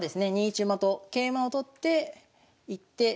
２一馬と桂馬を取っていって。